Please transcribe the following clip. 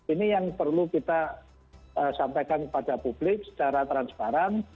ini yang perlu kita sampaikan kepada publik secara transparan